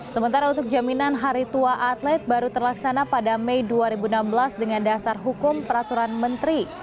sementara untuk jaminan hari tua atlet baru terlaksana pada mei dua ribu enam belas dengan dasar hukum peraturan menteri